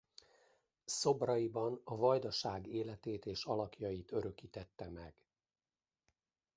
Szobraiban a Vajdaság életét és alakjait örökítette meg.